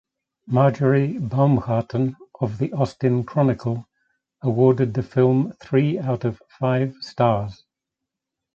Marjorie Baumgarten of "The Austin Chronicle" awarded the film three out of five stars.